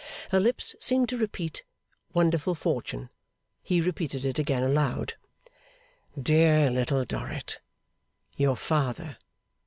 Her lips seemed to repeat 'Wonderful fortune?' He repeated it again, aloud. 'Dear Little Dorrit! Your father.